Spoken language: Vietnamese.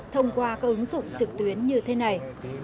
thông qua các ứng dụng trực tuyến như thế này